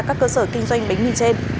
các cơ sở kinh doanh bánh mì trên